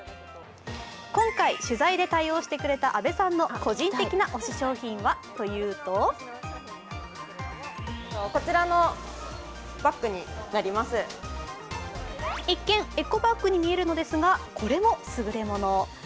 今回取材で対応してくれた阿部さんの個人的な推し商品はというと一見、エコバッグに見えるのですが、これもすぐれもの。